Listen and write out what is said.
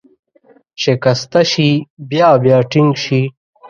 شکسته شي، بیا بیا ټینګ شي.